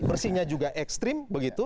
bersihnya juga ekstrim